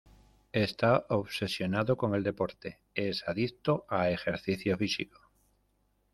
Está obsesionado con el deporte: es adicto a ejercicio físico.